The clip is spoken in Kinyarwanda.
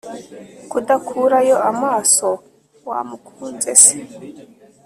kudakurayo amaso wamukunze se